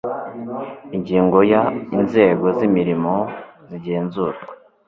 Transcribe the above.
ingingo ya inzego z imirimo zigenzurwa